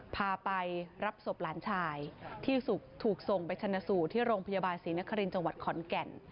พาไปรับศพหลานชายที่ถูกส่งไปชั่นสู่ที่โรงพยาบาลศรีนครินจขอนแก่น